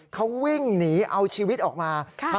เขาวิ่งหนีเอาชีวิตออกมา